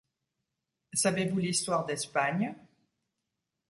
Savez-vous l’histoire d’Espagne ?